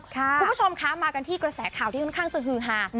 คุณผู้ชมคะมากันที่กระแสข่าวที่ค่อนข้างจะฮือฮา